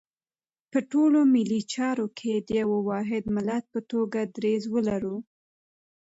په ټولو ملي چارو کې د یو واحد ملت په توګه دریځ ولرو.